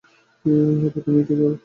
হয়তো তুমিই ঠিক।